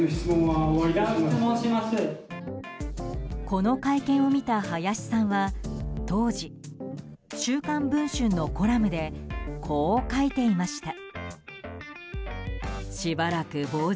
この会見を見た林さんは当時「週刊文春」のコラムでこう書いていました。